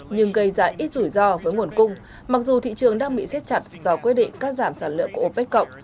nhưng gây ra ít rủi ro với nguồn cung mặc dù thị trường đang bị xếp chặt do quyết định cắt giảm sản lượng của opec cộng